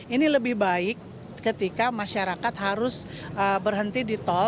ini lebih baik ketika masyarakat harus berhenti di tol